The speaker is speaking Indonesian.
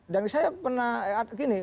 dan saya pernah gini